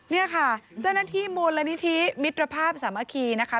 นี่ค่ะเจ้าหน้าที่มูลนิธิมิตรภาพสามัคคีนะคะ